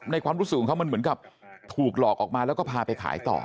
ความรู้สึกของเขามันเหมือนกับถูกหลอกออกมาแล้วก็พาไปขายต่อ